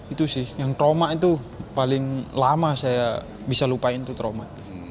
itu sih yang trauma itu paling lama saya bisa lupain tuh trauma